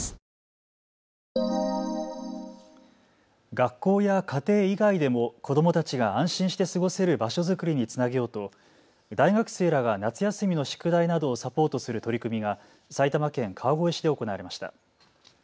学校や家庭以外でも子どもたちが安心して過ごせる場所作りにつなげようと大学生らが夏休みの宿題などをサポートする取り組みが埼玉県川越市で行われました。